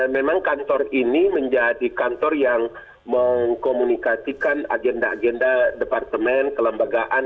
memang kantor ini menjadi kantor yang mengkomunikasikan agenda agenda departemen kelembagaan